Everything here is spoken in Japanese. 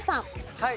はい。